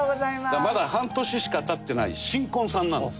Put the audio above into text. まだ半年しか経ってない新婚さんなんです。